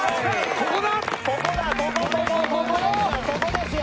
ここですよ